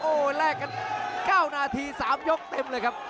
โอ้โหแลกกัน๙นาที๓ยกเต็มเลยครับ